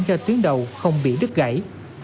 cho tuyến đầu không bị đứt gãy